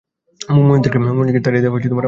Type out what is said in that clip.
মুমিনদেরকে তাড়িয়ে দেয়া আমার কাজ নয়।